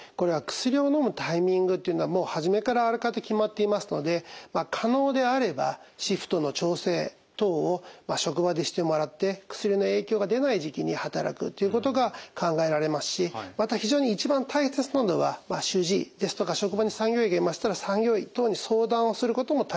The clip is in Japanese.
薬をのむタイミングっていうのはもうはじめからあらかた決まっていますので可能であればシフトの調整等を職場でしてもらって薬の影響が出ない時期に働くということが考えられますしまた非常に一番大切なのは主治医ですとか職場に産業医がいましたら産業医等に相談をすることも大切だと思います。